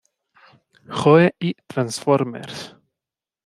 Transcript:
Joe" y "Transformers".